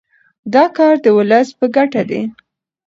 دا کار د ولس په ګټه دی.